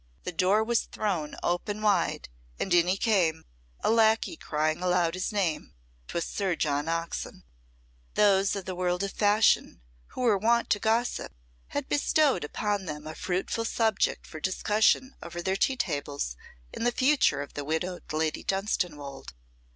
The door was thrown open wide, and in he came, a lacquey crying aloud his name. 'Twas Sir John Oxon. Those of the World of Fashion who were wont to gossip, had bestowed upon them a fruitful subject for discussion over their tea tables, in the future of the widowed Lady Dunstanwolde.